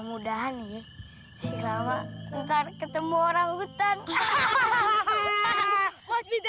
hai kayaknya rama ketemu orang hutan hahaha